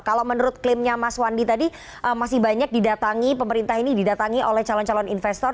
kalau menurut klaimnya mas wandi tadi masih banyak didatangi pemerintah ini didatangi oleh calon calon investor